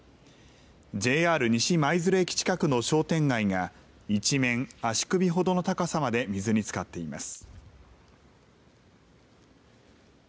ＪＲ西舞鶴駅近くの商店街が一面、足首ほどの高さまで水につかっています。